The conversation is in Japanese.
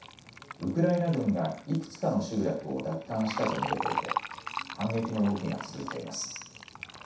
ウクライナ軍がいくつかの集落を奪還したと述べていて反撃の動きが続いています。